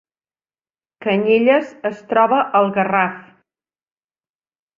Canyelles es troba al Garraf